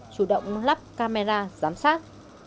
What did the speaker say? chủ động lắp camera giám sát